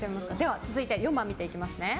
続いて、４番見ていきます。